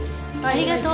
ありがとう。